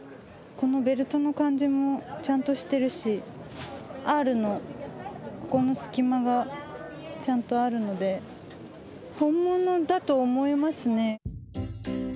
このベルトの感じもちゃんとしてるしＲのここの隙間がちゃんとあるので本物だと思いますね。